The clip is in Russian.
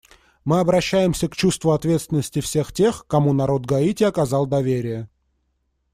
Мы обращаемся к чувству ответственности всех тех, кому народ Гаити оказал доверие.